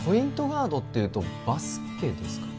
ガードっていうとバスケですか？